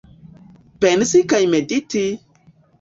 Pensi kaj mediti!